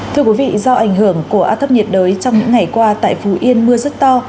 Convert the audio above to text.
thưa quý vị do ảnh hưởng của áp thấp nhiệt đới trong những ngày qua tại phú yên mưa rất to